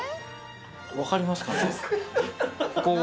わかりますかね？